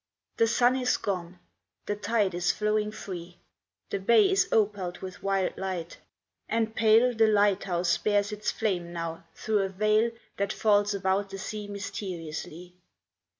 The sun is gone; the tide is flowing free; The bay is opaled with wild light; and pale The lighthouse spears its flame now; through a veil That falls about the sea mysteriously.